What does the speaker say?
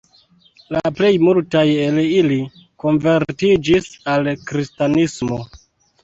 La plej multaj el ili konvertiĝis al kristanismo.